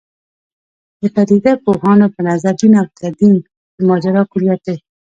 د پدیده پوهانو په نظر دین او تدین د ماجرا کُلیت دی.